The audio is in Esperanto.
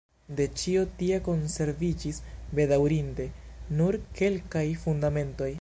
De ĉio tia konserviĝis bedaŭrinde nur kelkaj fundamentoj.